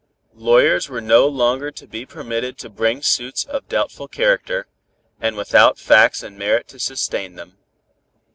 Lawyers were no longer to be permitted to bring suits of doubtful character, and without facts and merit to sustain them.